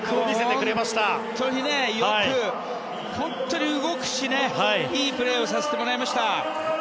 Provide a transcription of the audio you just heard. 本当によく動くし、いいプレーを見させてもらいました。